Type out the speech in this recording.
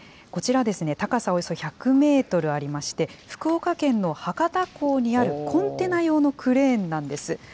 こちら、高さおよそ１００メートルありまして、福岡県の博多港にあるコンテナ用のクレーンなんです。